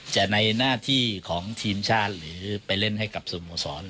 แต่ในหน้าที่ของทีมชาติหรือไปเล่นให้กับสโมสร